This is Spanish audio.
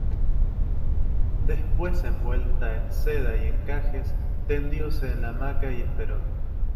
después envuelta en seda y encajes, tendióse en la hamaca y esperó: